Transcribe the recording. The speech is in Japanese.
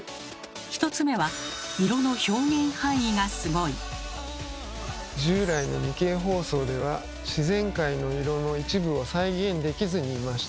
１つ目は従来の２Ｋ放送では自然界の色の一部を再現できずにいました。